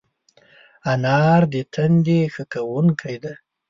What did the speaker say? انار د تندي ښه کوونکی دی.